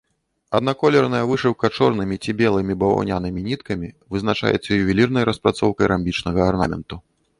Аднаколерная вышыўка чорнымі ці белымі баваўнянымі ніткамі вызначаецца ювелірнай распрацоўкай рамбічнага арнаменту.